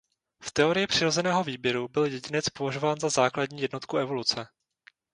V teorii přirozeného výběru byl jedinec považován za základní jednotku evoluce.